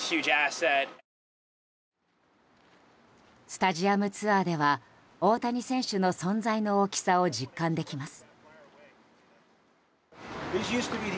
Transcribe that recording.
スタジアムツアーでは大谷選手の存在の大きさを実感できます。